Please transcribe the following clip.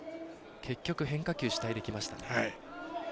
結局、変化球主体でいきましたね。